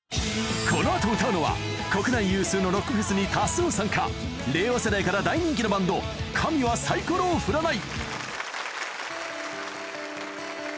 この後歌うのは国内有数のロックフェスに多数参加令和世代から大人気のバンド神はサイコロを振らない